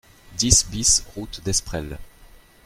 dix BIS route d'Esprels